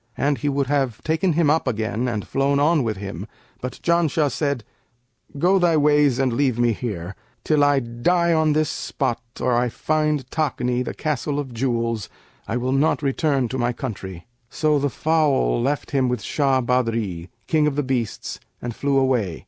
And he would have taken him up again and flown on with him; but Janshah said, 'Go thy ways and leave me here; till I die on this spot or I find Takni, the Castle of Jewels, I will not return to my country.' So the fowl left him with Shah Badri, King of the Beasts and flew away.